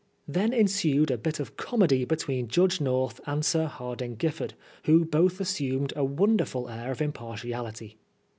Then ensued a bit of comedy between Judge North and Sir Hardinge Giflferd, who both assumed a wonder ful air of impartiality.